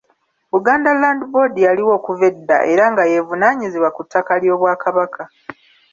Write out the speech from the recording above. Buganda Land Board yaliwo okuva edda era nga y'evunaanyizibwa ku ttaka ly'Obwakabaka.